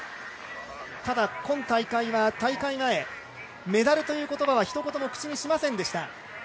ただ今大会は大会前メダルという言葉はひと言も口にしませんでした。